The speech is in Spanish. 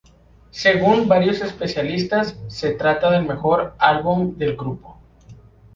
Según varios especialistas, se trata del mejor álbum del grupo.